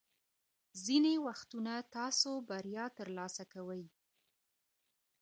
ځینې وختونه تاسو بریا ترلاسه کوئ.